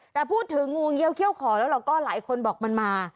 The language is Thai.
แต่พูดถึงงูเงี้ยเขี้ยขอแล้วเราก็หลายคนบอกมันมา